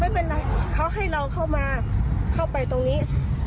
ไม่เป็นไรเขาให้เราเข้ามาเข้าไปตรงนี้